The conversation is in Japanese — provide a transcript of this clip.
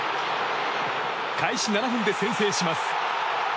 開始７分で先制します。